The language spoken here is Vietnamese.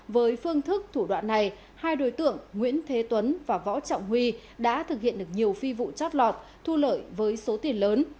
với phương thức thủ đoạn này hai đối tượng nguyễn thế tuấn và võ trọng huy đã thực hiện được nhiều phi vụ chót lọt thu lợi với số tiền lớn